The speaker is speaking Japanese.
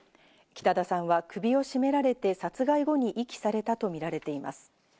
北田さんは首を絞められて殺害後に遺棄されたとみられています。